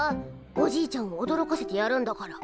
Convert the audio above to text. おじいちゃんをおどろかせてやるんだから。